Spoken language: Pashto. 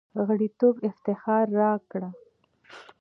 غړیتوب افتخار راکړ.